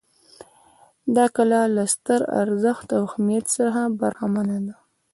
دا کلا له ستر ارزښت او اهمیت څخه برخمنه ده.